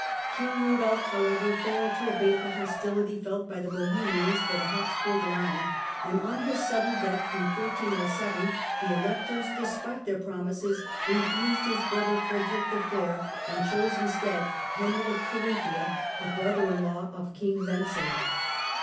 King Eudolf, however, failed to abate the hostility felt by the Bohemians for the Habsburg line, and on his sudden death in 1307 the Electors, despite their promises, refused his brother Frederick the Fair and chose instead Henry of Carinthia, a brother in law of King Wenzel.